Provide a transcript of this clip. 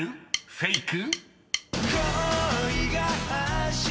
フェイク？］